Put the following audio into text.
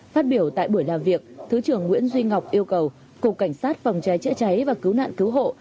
phát biểu tại buổi làm việc thứ trưởng nguyễn duy ngọc yêu cầu cục cảnh sát phòng cháy chữa cháy và cứu nạn cứu hộ